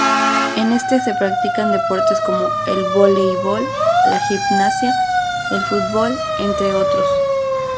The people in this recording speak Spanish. En este se practican deportes como el Voleibol, la Gimnasia, el Futbol entre otros.